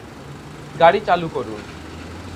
গাড়ি চালু করুন।